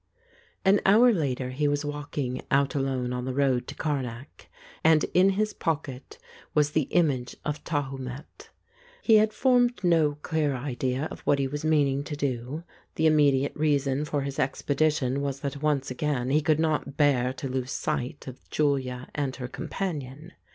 An hour later he was walking out alone on the road to Karnak, and in his pocket was the image of Tahu met. He had formed no clear idea of what he was meaning todo; the immediate reason for his expedition was that once again he could not bear to lose sight of Julia and her companion.